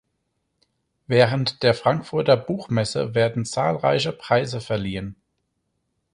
Während der Frankfurter Buchmesse werden zahlreiche Preise verliehen.